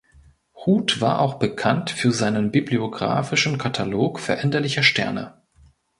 Huth war auch bekannt für seinen bibliografischen Katalog Veränderlicher Sterne.